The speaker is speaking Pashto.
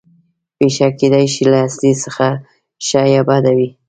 پېښه کېدای شي له اصلي څخه ښه یا بده وي